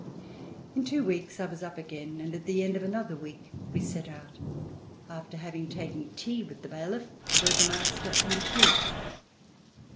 In two weeks I was up again, and at the end of another week we set out after having taken tea with the bailiff, the burgomaster and the curate.